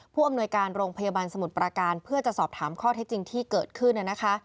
ผู้อำนวยการโรงพยาบาลสมุทรประการเพื่อจะสอบถามข้อเท็จจริงที่เกิดขึ้นนะคะ